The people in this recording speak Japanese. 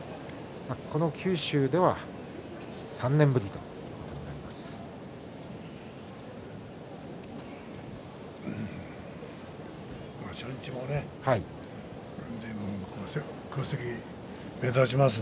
九州では３年ぶりということになります。